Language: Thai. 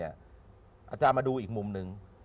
อาจารย์มาดูอีกมุมหนึ่ง